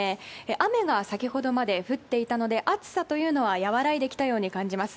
雨が先ほどまで降っていたので暑さというのは和らいできたように感じます。